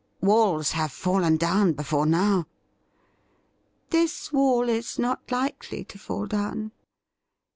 ' Walls have fallen down before now.' ' This wall is not likely to fall down.